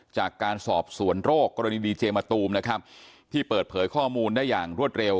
จากการสอบสวนโรคกรณีดีเจมะตูมนะครับที่เปิดเผยข้อมูลได้อย่างรวดเร็ว